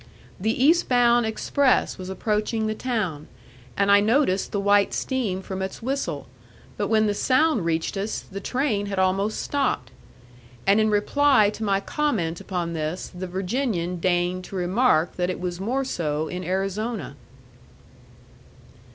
The East bound express was approaching the town, and I noticed the white steam from its whistle; but when the sound reached us, the train had almost stopped. And in reply to my comment upon this, the Virginian deigned to remark that it was more so in Arizona.